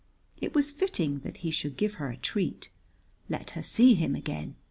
It was fitting that he should give her a treat: let her see him again.